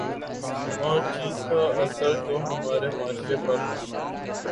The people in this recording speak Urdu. اور چیز کا اثر تو ہمارے معاشرے پہ ہو